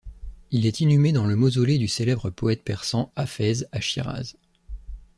Il est inhumé dans le mausolée du célèbre poète persan Hafez à Chiraz.